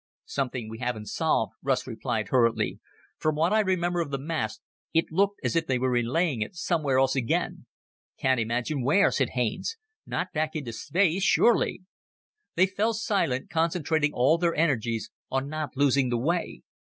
"Something we haven't solved," Russ replied hurriedly. "From what I remember of the masts, it looked as if they were relaying it somewhere else again." "Can't imagine where," said Haines. "Not back into space, surely?" They fell silent, concentrating all their energies on not losing the way.